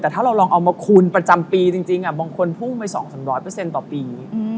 แต่ถ้าเราลองเอามาคูณประจำปีจริงบางคนพุ่งไป๒๓๐๐ต่อปี